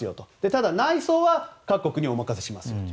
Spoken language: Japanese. ただ、内装は各国にお願いしますよと。